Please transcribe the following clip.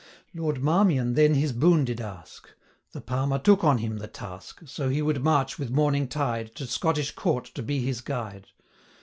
Lord Marmion then his boon did ask; The Palmer took on him the task, So he would march with morning tide, 500 To Scottish court to be his guide.